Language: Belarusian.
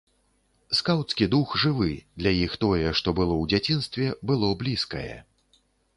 Скаўцкі дух жывы, для іх тое, што было ў дзяцінстве, было блізкае.